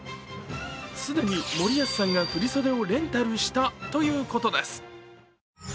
既に森保さんが振り袖をレンタルしたということです。